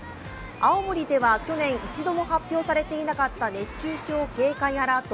青森では去年、一度も発表されていなかった熱中症警戒アラート